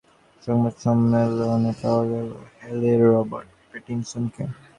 আগের দিন এলেও কালই প্রথম সংবাদ সম্মেলনে পাওয়া গেল হালের রবার্ট প্যাটিনসনকে।